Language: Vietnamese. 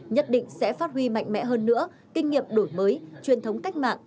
nhất định sẽ phát huy mạnh mẽ hơn nữa kinh nghiệm đổi mới truyền thống cách mạng